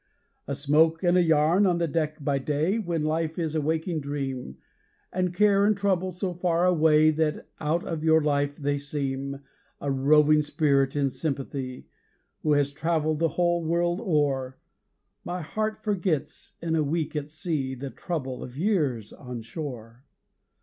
A smoke and a yarn on the deck by day, When life is a waking dream, And care and trouble so far away That out of your life they seem. A roving spirit in sympathy, Who has travelled the whole world o'er My heart forgets, in a week at sea, The trouble of years on shore.